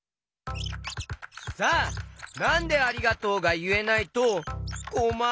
さあなんで「ありがとう」がいえないとこまる？